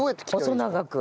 細長く。